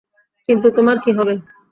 কিন্তু তোমার কি হবে?